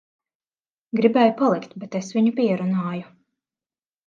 Gribēja palikt, bet es viņu pierunāju.